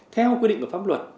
theo quy định của pháp luật